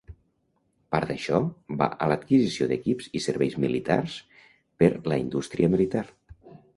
Part d'això va a l'adquisició d'equips i serveis militars per la indústria militar.